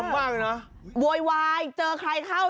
โวยวายเจอใครเข้า